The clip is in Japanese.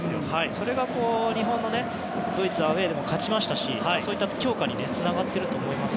それが日本のドイツ戦アウェーでも勝ちましたし日本の強化につながっていると思います。